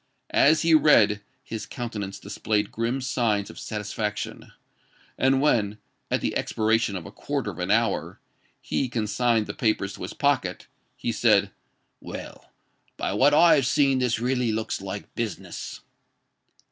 As he read, his countenance displayed grim signs of satisfaction; and when, at the expiration of a quarter of an hour, he consigned the papers to his pocket, he said, "Well, by what I have seen this really looks like business."